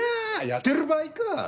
やってる場合か！